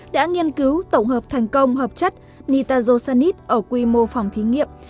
đã nghiên cứu tổng hợp thành công hợp chất nitrosanit ở quy mô phòng thí nghiệm